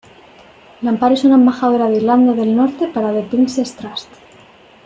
Lampard es una embajadora de Irlanda del Norte para The Prince´s Trust.